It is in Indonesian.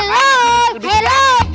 hai hai hai ciluk